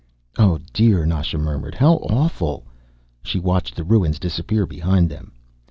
"Oh, dear," Nasha murmured. "How awful." She watched the ruins disappear behind them.